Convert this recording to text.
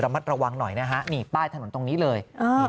มัดระวังหน่อยนะฮะนี่ป้ายถนนตรงนี้เลย